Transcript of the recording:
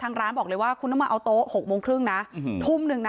ร้านบอกเลยว่าคุณต้องมาเอาโต๊ะ๖โมงครึ่งนะทุ่มหนึ่งนะ